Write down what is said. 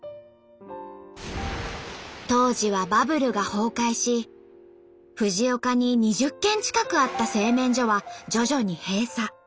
当時はバブルが崩壊し藤岡に２０軒近くあった製麺所は徐々に閉鎖。